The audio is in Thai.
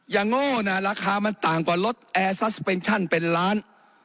โง่นะราคามันต่างกว่ารถแอร์ซัสเป็นชั่นเป็นล้าน